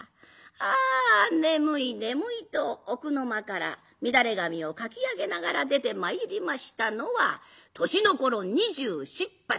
あ眠い眠い」と奥の間から乱れ髪をかき上げながら出てまいりましたのは年の頃２４２８。